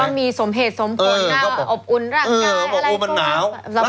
ก็มีสมเหตุสมผลรับอุ่นร่างกายอะไรพวก